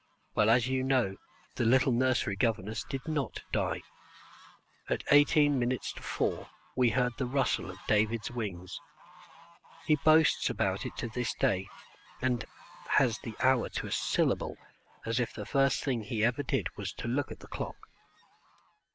Well, as you know, the little nursery governess did not die. At eighteen minutes to four we heard the rustle of David's wings. He boasts about it to this day, and has the hour to a syllable as if the first thing he ever did was to look at the clock.